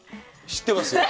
知ってます。